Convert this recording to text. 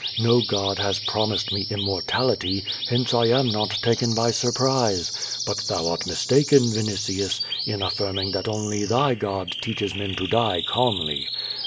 Xo god has promised me immortality, hence I am not taken by surprise. But thou art mistaken, Vinitius, in affirming that only thy God teaches men to die calmly.